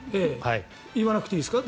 言わなくていいですか？